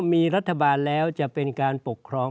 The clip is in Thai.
มีรัฐบาลแล้วจะเป็นการปกครอง